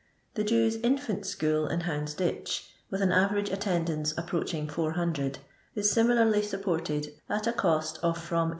The Jetirs* Infant School in IToundsditch^ with an aTenige attendance approaching 400, is simi larly supported at a cost of from 800